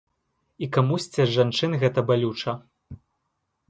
І камусьці з жанчын гэта балюча.